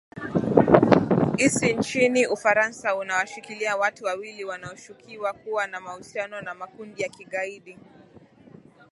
isi nchini ufarasa inawashikilia watu wawili wanaoshukiwa kuwa na mahusiano na makundi ya kigaidi